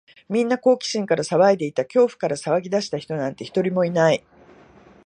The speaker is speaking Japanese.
みんな好奇心から騒いでいた。恐怖から騒ぎ出した人なんて、一人もいない。